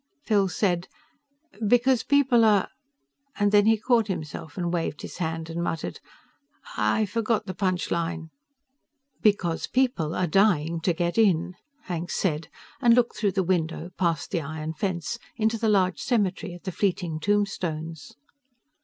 Phil said, "Because people are " And then he caught himself and waved his hand and muttered, "I forgot the punch line." "Because people are dying to get in," Hank said, and looked through the window, past the iron fence, into the large cemetery at the fleeting tombstones.